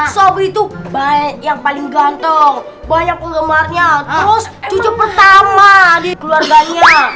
sobring itu baik yang paling ganteng banyak kegemarnya terus pertama di keluarganya